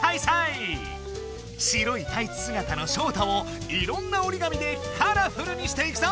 白いタイツすがたのショウタをいろんな折り紙でカラフルにしていくぞ！